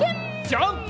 ジャンプ！